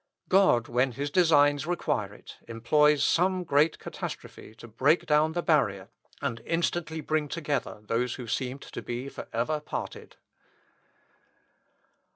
God, when his designs require it, employs some great catastrophe to break down the barrier, and instantly bring together those who seemed to be for ever parted.